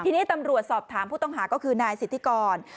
ทีนี้ตำรวจสอบถามผู้ต้องหาก็คือนายสิทธิกร